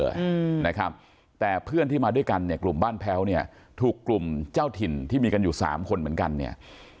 อืมนะครับแต่เพื่อนที่มาด้วยกันเนี่ยกลุ่มบ้านแพ้วเนี่ยถูกกลุ่มเจ้าถิ่นที่มีกันอยู่สามคนเหมือนกันเนี่ย